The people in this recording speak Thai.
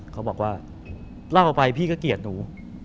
เขาบอกว่าเล่าออกไปพี่ก็เกลียดหนู